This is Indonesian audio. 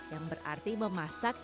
yang berarti memasak